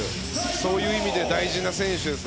そういう意味で大事な選手です。